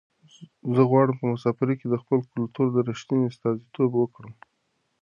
زه غواړم چې په مسافرۍ کې د خپل کلتور رښتنې استازیتوب وکړم.